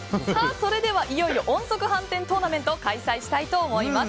それではいよいよ音速飯店トーナメント開催したいと思います。